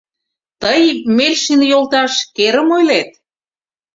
Тый, Мельшин йолташ, керым ойлет...